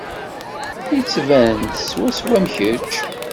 Yettban-d swaswa am kečč.